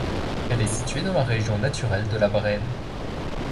Elle est située dans la région naturelle de la Brenne.